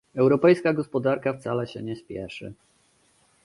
Europejska gospodarka wcale się nie spieszy